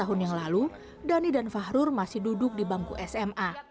tahun yang lalu dhani dan fahrur masih duduk di bangku sma